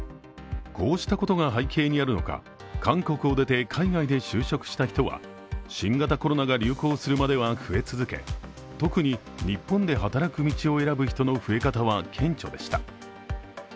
こうしたことが背景にあるのか韓国を出て海外で就職した人は新型コロナが流行するまでは増え続け、特に日本で働く道を選ぶ人の増え方は顕著でした。